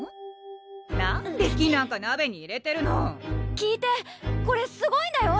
聞いてこれすごいんだよ！